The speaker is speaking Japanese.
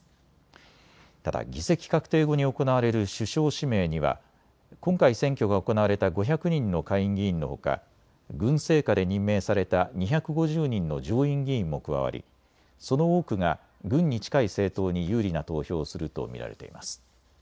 ただ議席確定後に行われる首相指名には今回選挙が行われた５００人の下院議員のほか軍政下で任命された２５０人の上院議員も加わり、その多くが軍に近い政党に有利な投票をすると見られています。